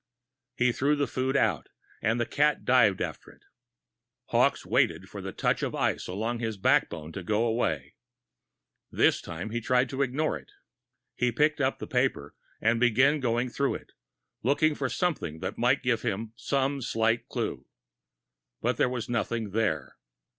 He threw the food out, and the cat dived after it. Hawkes waited for the touch of ice along his backbone to go away. It didn't. This time, he tried to ignore it. He picked up the paper and began going through it, looking for something that might give him some slight clew. But there was nothing there.